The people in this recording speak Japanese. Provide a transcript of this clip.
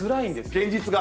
現実が。